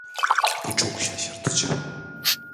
Bu çok şaşırtıcı.